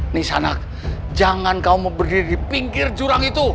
nisanak jangan kamu berdiri di pinggir jurang itu